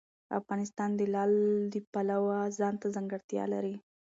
افغانستان د لعل د پلوه ځانته ځانګړتیا لري.